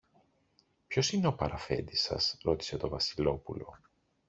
Ποιος είναι ο παραφέντης σας; ρώτησε το Βασιλόπουλο.